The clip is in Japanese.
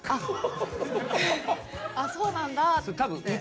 あっそうなんだ。